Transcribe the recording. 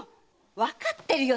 わかってるよ